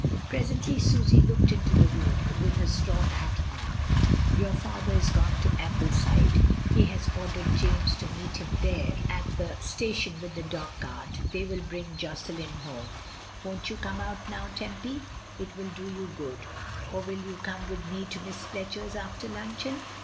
Presently Susy looked into the room, with her straw hat on. "Your father is gone to Ambleside. He has ordered James to meet him there at the "the colonel goes home." I I station with the dog cart; they will . bring Josselin home. Won't you come out now, Tempy? It will do you good; or will you come with me to Miss Fletcher's after luncheon?"